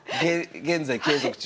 現在継続中。